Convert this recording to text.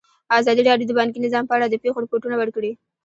ازادي راډیو د بانکي نظام په اړه د پېښو رپوټونه ورکړي.